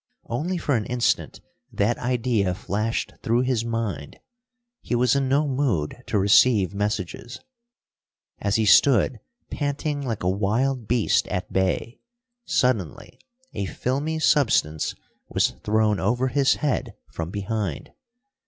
Only for an instant that idea flashed through his mind. He was in no mood to receive messages. As he stood panting like a wild beast at bay, suddenly a filmy substance was thrown over his head from behind.